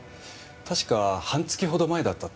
確か半月ほど前だったと。